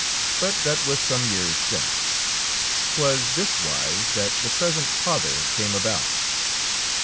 But that was some years since. 'T was this wise that the present pother came about.